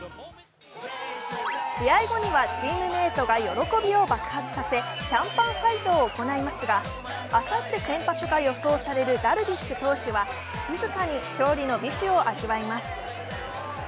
試合後にはチームメートが喜びを爆発させシャンパンファイトを行いますが、あさって先発が予想されるダルビッシュ投手は静かに勝利の美酒を味わいます。